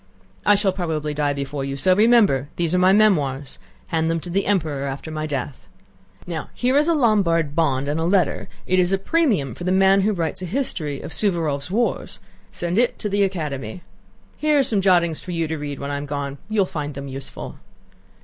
"I shall probably die before you. So remember, these are my memoirs; hand them to the Emperor after my death. Now here is a Lombard bond and a letter; it is a premium for the man who writes a history of Suvórov's wars. Send it to the Academy. Here are some jottings for you to read when I am gone. You will find them useful."